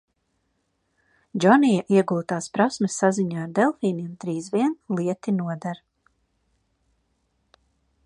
Džonija iegūtās prasmes saziņā ar delfīniem drīz vien lieti noder.